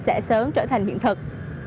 sẽ sớm trở thành hiện thực